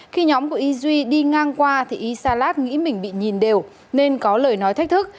khi nhóm của y duy đi ngang qua thì y salat nghĩ mình bị nhìn đều nên có lời nói thách thức